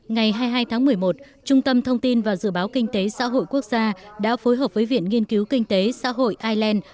ngày hai mươi hai tháng một mươi một trung tâm thông tin và dự báo kinh tế xã hội quốc gia đã phối hợp với viện nghiên cứu kinh tế xã hội ireland